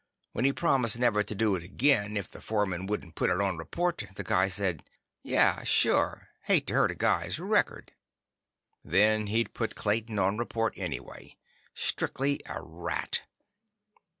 When he promised never to do it again if the foreman wouldn't put it on report, the guy said, "Yeah. Sure. Hate to hurt a guy's record." Then he'd put Clayton on report anyway. Strictly a rat.